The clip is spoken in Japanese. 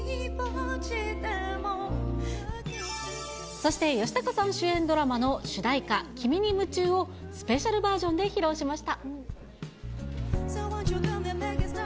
そして吉高さん主演ドラマの主題歌、君に夢中をスペシャルバージョンで披露しました。